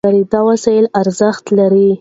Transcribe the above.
دا وسایل ارزښت لري.